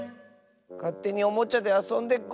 かってにおもちゃであそんでごめんなさい！